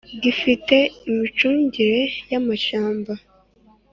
gifite imicungire y amashyamba